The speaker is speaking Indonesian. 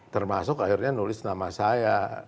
termasuk akhirnya nulis nama saya